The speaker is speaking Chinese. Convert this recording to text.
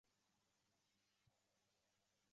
其境内有永春海报最高的山峰雪山。